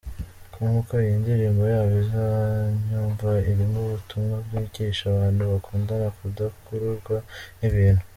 com ko iyi ndirimbo yabo 'Uzanyumva' irimo ubutumwa bwigisha abantu bakundana kudakururwa n'ibintu.